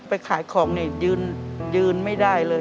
ไปขายของนี่ยืนไม่ได้เลย